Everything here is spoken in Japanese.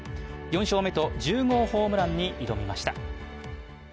４勝目と１０号ホームランに挑みました。